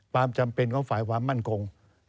ความจำเป็นของฝ่ายความมั่นคง